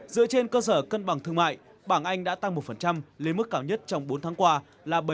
dựa trên cơ sở cân bằng thương mại bảng anh đã tăng một lên mức cao nhất trong bốn tháng qua là bảy mươi tám tám